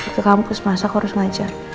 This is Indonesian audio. ke kampus masa harus ngajar